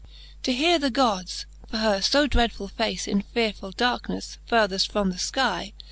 To her the Gods, for her fo dreadfull face, In fearefull darkenefs, furtheft from the fkie.